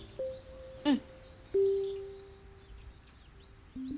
うん。